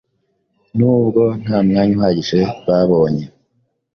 n’ubwo nta mwanya uhagije babonye